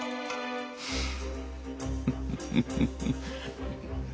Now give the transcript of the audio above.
フッフフフ。